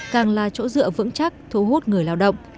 càng là chỗ dựa vững chắc thu hút người lao động